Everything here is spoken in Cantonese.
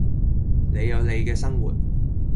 你有你嘅生活